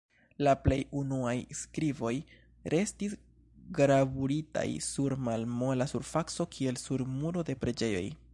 La plej unuaj skriboj restis gravuritaj sur malmola surfaco kiel sur muro de preĝejoj.